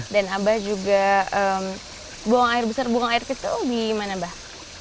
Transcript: dan abah juga buang air besar buang air kecil di mana abah